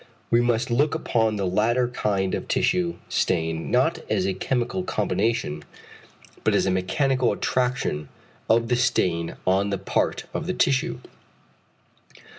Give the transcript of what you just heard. We must look upon the latter kind of tissue stain not as a chemical combination, but as a mechanical attraction of the stain on the part of the tissue.